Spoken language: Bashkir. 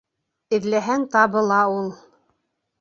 Эҙләһәң табыла ул.